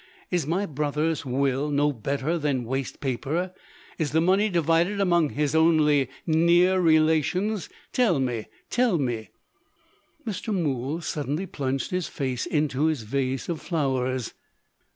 "Is my brother's Will no better than waste paper? Is the money divided among his only near relations? Tell me! tell me!" Mr. Mool suddenly plunged his face into his vase of flowers.